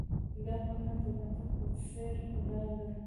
دا پانګه د پاټک په څېر ولاړه ده.